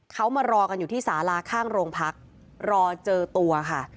เขามารอกันอยู่ที่สาลาข้างโรงพักรอเจอตัวค่ะ